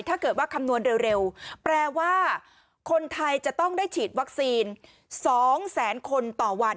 คำนวณเร็วแปลว่าคนไทยจะต้องได้ฉีดวัคซีน๒แสนคนต่อวัน